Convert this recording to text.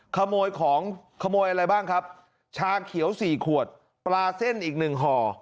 ขโมยของขโมยอะไรบ้างครับชาเขียวสี่ขวดปลาเส้นอีกหนึ่งห่อ